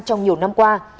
trong nhiều năm qua